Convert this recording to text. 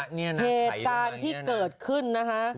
เหตุการณ์ที่เกิดขึ้นนะคะ